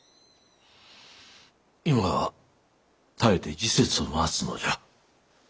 今は耐えて時節を待つのじゃ。